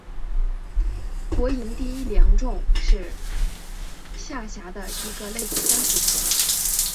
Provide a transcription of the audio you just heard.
国营第一良种是下辖的一个类似乡级单位。